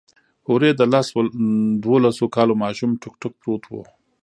هورې د لس دولسو کالو ماشوم ټوک ټوک پروت و.